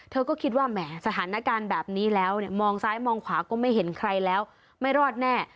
เธอก็คิดว่าแหมสถานการณ์แบบนี้แล้วเนี่ยมองซ้ายมองขวาก็ไม่เห็นใครแล้วไม่รอดแน่